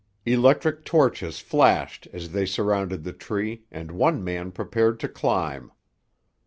Electric torches flashed as they surrounded the tree, and one man prepared to climb.